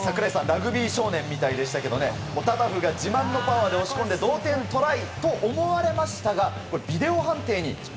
ラグビー少年みたいでしたがタタフが自慢のパワーで押し込んで同点トライと思われましたがビデオ判定に。